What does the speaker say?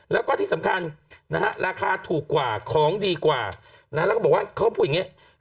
แล้วก็ที่สำคัญนะฮะราคาถูกกว่าของดีกว่านะแล้วก็บอกว่าเขาพูดอย่างนี้